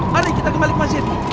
mari kita kembali ke masjid